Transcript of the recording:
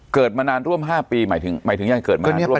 เกิดมานานร่วมห้าปีหมายถึงหมายถึงย่างเกิดมานานร่วมห้าปี